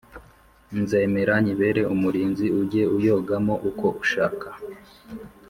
nzemera nyibere umurinzi ujye uyogamo uko ushaka